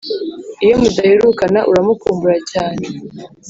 iyo mudaherukana uramukumbura cyane